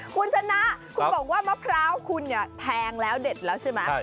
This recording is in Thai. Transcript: คุณชนะคุณบอกว่ามะพร้าวคุณเนี่ยแพงแล้วเด็ดแล้วใช่ไหม